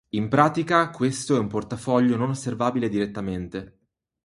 In pratica questo è un portafoglio non osservabile direttamente.